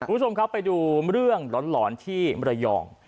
คุณผู้ชมครับไปดูเรื่องหลอนที่มรยอง